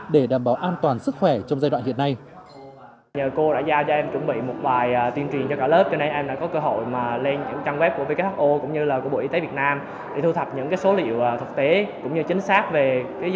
để đảm bảo an toàn sức khỏe trong giai đoạn hiện nay